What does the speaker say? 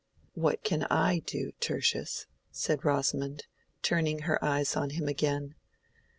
"What can I do, Tertius?" said Rosamond, turning her eyes on him again.